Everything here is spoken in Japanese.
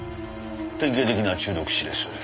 典型的な中毒死です。